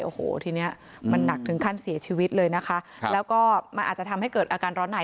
โอ้โหทีเนี้ยมันหนักถึงขั้นเสียชีวิตเลยนะคะครับแล้วก็มันอาจจะทำให้เกิดอาการร้อนใน